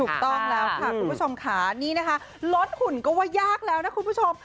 ถูกต้องแล้วค่ะคุณผู้ชมค่ะนี่นะคะลดหุ่นก็ว่ายากแล้วนะคุณผู้ชม